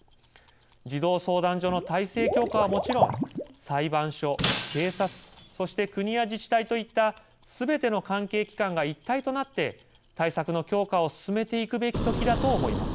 児童相談所の体制強化はもちろん裁判所、警察、そして国や自治体といったすべての関係機関が一体となって対策の強化を進めていくべきときだと思います。